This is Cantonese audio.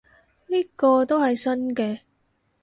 呢個都係新嘅